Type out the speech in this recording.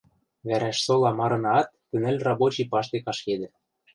Вӓрӓшсола марынаат тӹ нӹл рабочий паштек ашкедӹ.